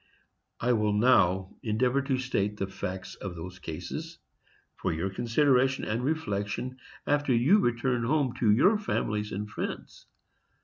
I will now endeavor to state the facts of those cases, for your consideration and reflection after you return home to your families and friends.